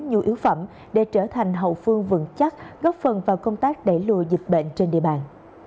nhu yếu phẩm để trở thành hậu phương vững chắc góp phần vào công tác đẩy lùi dịch bệnh trên địa bàn